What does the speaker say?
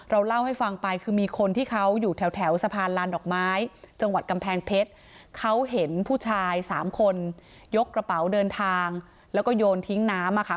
เล่าให้ฟังไปคือมีคนที่เขาอยู่แถวสะพานลานดอกไม้จังหวัดกำแพงเพชรเขาเห็นผู้ชายสามคนยกกระเป๋าเดินทางแล้วก็โยนทิ้งน้ำอ่ะค่ะ